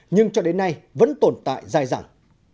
nhưng cho đến nay vẫn tồn tại dài dẳng